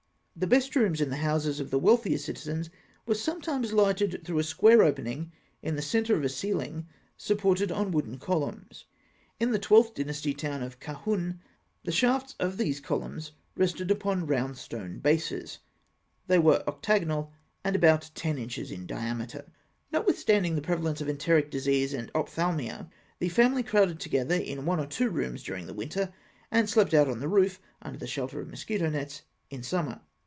7). The best rooms in the houses of wealthier citizens were sometimes lighted through a square opening in the centre of a ceiling supported on wooden columns. In the Twelfth Dynasty town of Kahûn the shafts of these columns rested upon round stone bases; they were octagonal, and about ten inches in diameter (fig. 8). Notwithstanding the prevalence of enteric disease and ophthalmia, the family crowded together into one or two rooms during the winter, and slept out on the roof under the shelter of mosquito nets in summer.